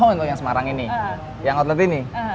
oh untuk yang semarang ini yang outlet ini